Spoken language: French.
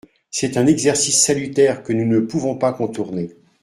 C’est un exercice salutaire que nous ne pouvons pas contourner.